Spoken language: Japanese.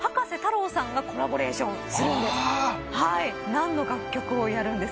何の楽曲をやるんですかね？